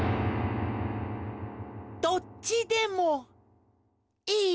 どっちでもいい？